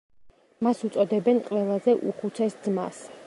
მას უწოდებენ „ყველაზე უხუცეს ძმას“.